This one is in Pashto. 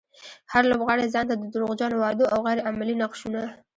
هر لوبغاړی ځانته د دروغجنو وعدو او غير عملي نقشونه.